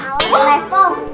kau boleh po